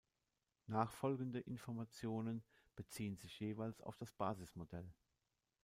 Nachfolgende Informationen beziehen sich jeweils auf das Basismodell.